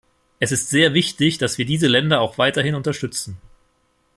Es ist sehr wichtig, dass wir diese Länder auch weiterhin unterstützen.